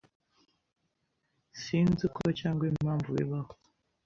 Sinzi uko cyangwa impamvu bibaho.